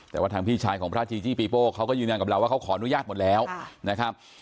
แต่ว่าทางพี่ชายของพระจีจี้ปีโป้เขาก็ยืนยันกับเราว่าเขาขออนุญาตหมดแล้วนะครับ